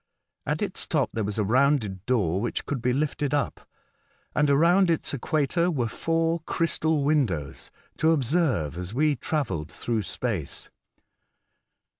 At its top there was a rounded door which could be lifted up, and around its equator were four crystal windows, to observe as we travelled through space.